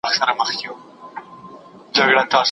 بدي ولاړه هر سړى له جنگه موړ سو